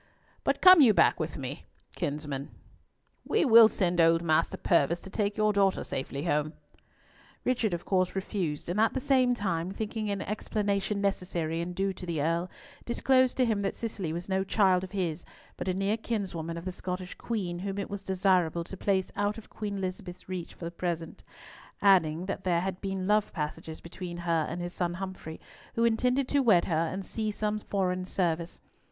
But come you back with me, kinsman. We will send old Master Purvis to take your daughter safely home." Richard of course refused, and at the same time, thinking an explanation necessary and due to the Earl, disclosed to him that Cicely was no child of his, but a near kinswoman of the Scottish Queen, whom it was desirable to place out of Queen Elizabeth's reach for the present, adding that there had been love passages between her and his son Humfrey, who intended to wed her and see some foreign service.